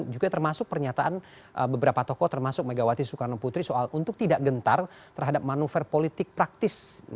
juga termasuk pernyataan beberapa tokoh termasuk megawati soekarno putri soal untuk tidak gentar terhadap manuver politik praktis